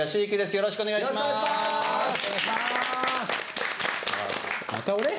よろしくお願いします。